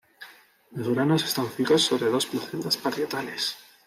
Los granos están fijos sobre dos placentas parietales.